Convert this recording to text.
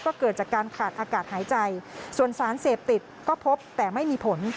ก็เกิดจากการขาดอากาศหายใจส่วนสารเสพติดก็พบแต่ไม่มีผล